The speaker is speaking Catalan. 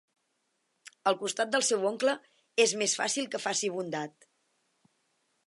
Al costat del seu oncle, és més fàcil que faci bondat.